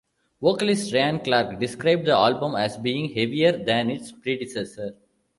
Vocalist Ryan Clark described the album as being heavier than its predecessor.